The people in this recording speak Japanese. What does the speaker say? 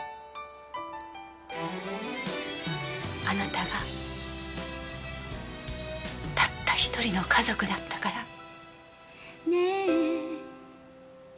あなたがたった一人の家族だったから。